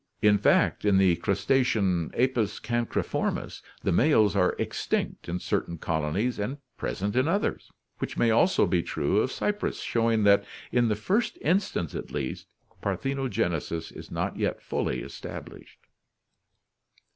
In fact, in the crustacean Apus cancriformis the males are extinct in certain colonies and present in others, which may also be true of Cypris, showing that, in the first instance at least, par thenogenesis is not yet fully established.